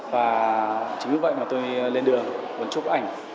và chính vì vậy mà tôi lên đường muốn chụp ảnh